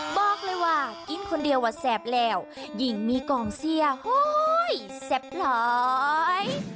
บอกเลยว่ากินคนเดียวว่าแซ่บแล้วหญิงมีกองเสียโฮแซ่บหลาย